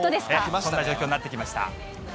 こんな状況になってきました。